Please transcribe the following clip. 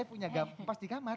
saya punya pas di kamar